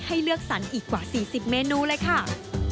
เลือกสรรอีกกว่า๔๐เมนูเลยค่ะ